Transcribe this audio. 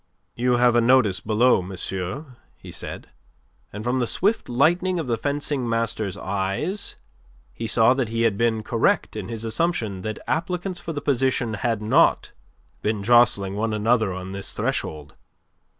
"You have a notice below, monsieur," he said, and from the swift lighting of the fencing master's eyes he saw that he had been correct in his assumption that applicants for the position had not been jostling one another on his threshold.